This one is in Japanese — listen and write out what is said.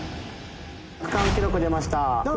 区間記録出ました。